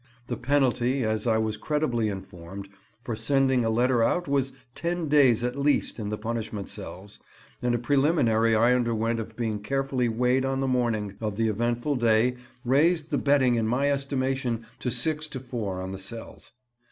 The penalty, as I was credibly informed, for sending a letter out was ten days at least in the punishment cells; and a preliminary I underwent of being carefully weighed on the morning of the eventful day raised the betting in my estimation to six to four on the cells.